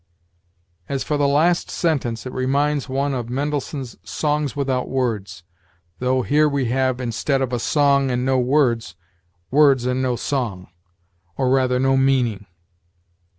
As for the last sentence, it reminds one of Mendelssohn's "Songs without Words," though here we have, instead of a song and no words, words and no song, or rather no meaning.